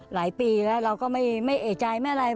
หลายปีแล้วเราก็ไม่เอกใจไม่อะไร